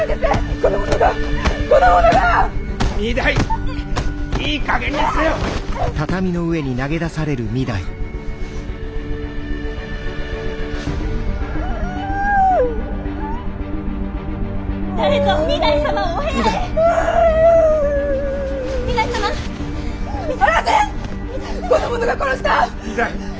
この者が殺した！